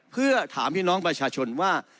เพื่อถามพี่น้องประชาชนว่า